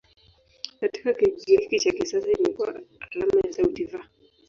Katika Kigiriki cha kisasa imekuwa alama ya sauti "V".